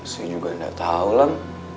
saya juga nggak tahu lah